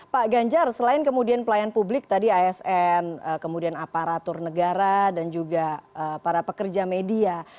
dan anjar selain kemudian pelayan publik tadi asn kemudian aparatur negara dan juga para pekerja media